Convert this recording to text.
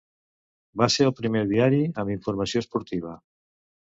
Va ser el primer diari amb informació esportiva.